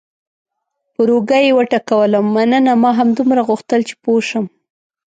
پر اوږه یې وټکولم: مننه، ما همدومره غوښتل چې پوه شم.